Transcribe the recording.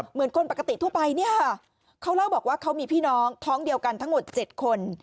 เหมือนคนปกติทั่วไปเนี่ยค่ะเขาเล่าบอกว่าเขามีพี่น้องท้องเดียวกันทั้งหมด๗คน